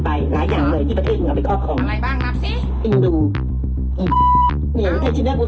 ประเทศที่มึงอยู่ก็ขโมยทุกอย่างของประเทศไทยไป